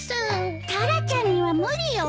タラちゃんには無理よ。